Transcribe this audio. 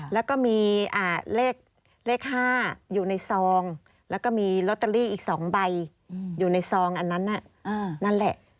แล้วก็มีเลข๕อยู่ในซองแล้วก็มีลอตเตอรี่อีก๒ใบอยู่ในซองอันนั้นนั่นแหละ